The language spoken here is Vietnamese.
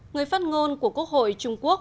người phát ngôn của quốc hội trung quốc